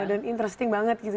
oh dan interesting banget gitu